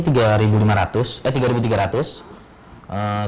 dayanya ini tiga lima ratus eh tiga tiga ratus